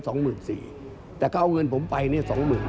แต่เขาเอาเงินผมไปนี่๒๐๐๐๐